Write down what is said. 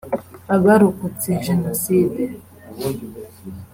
“Abarokotse Jenoside